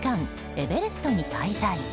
エベレストに滞在。